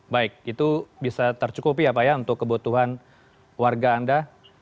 baik itu bisa tercukupi ya pak ya untuk kebutuhan warga anda